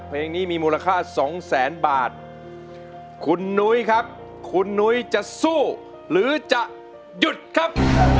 เพลงนี้มีมูลค่าสองแสนบาทคุณนุ้ยครับคุณนุ้ยจะสู้หรือจะหยุดครับ